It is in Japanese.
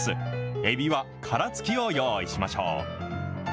えびは殻付きを用意しましょう。